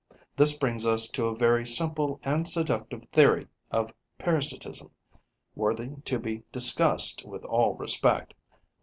This brings us to a very simple and seductive theory of parasitism, worthy to be discussed with all respect.